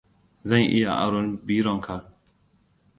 Zan iya aron biron ka?